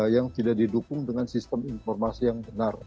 yang tidak didukung dengan sistem informasi yang benar